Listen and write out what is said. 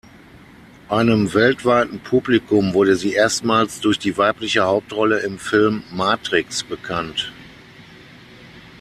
Einem weltweiten Publikum wurde sie erstmals durch die weibliche Hauptrolle im Film "Matrix" bekannt.